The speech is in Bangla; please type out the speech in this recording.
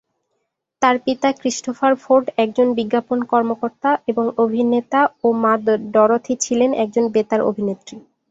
তার পিতা ক্রিস্টোফার ফোর্ড একজন বিজ্ঞাপন কর্মকর্তা এবং অভিনেতা ও মা ডরোথি ছিলেন একজন বেতার অভিনেত্রী।